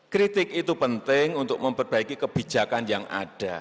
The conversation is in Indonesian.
kritik itu penting untuk memperbaiki kebijakan yang ada